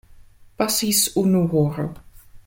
Pasis unu horo.